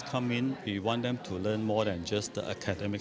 kami ingin mereka belajar lebih dari hanya subjek akademik